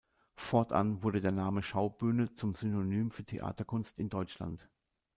Fortan wurde der Name Schaubühne zum Synonym für Theaterkunst in Deutschland.